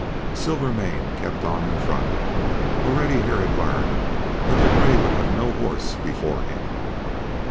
Silvermane kept on in front. Already Hare had learned that the gray would have no horse before him.